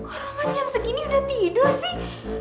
kok roman jam segini udah tidur sih